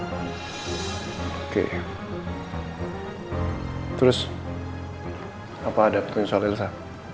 oke terus apa ada tulis soal elsa